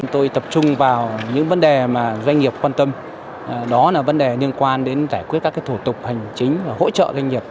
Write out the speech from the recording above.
tôi tập trung vào những vấn đề mà doanh nghiệp quan tâm đó là vấn đề liên quan đến giải quyết các thủ tục hành chính và hỗ trợ doanh nghiệp